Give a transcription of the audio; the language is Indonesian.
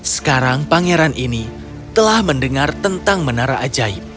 sekarang pangeran ini telah mendengar tentang menara ajaib